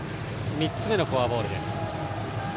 ３つ目のフォアボールです。